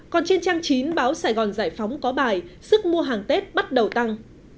còn trên trang chín báo sài gòn giải phóng có bài sức mua hàng tết bắt đầu tăng